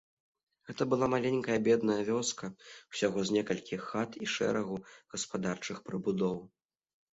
Гэта была маленькая бедная вёска, усяго з некалькіх хат і шэрагу гаспадарчых прыбудоў.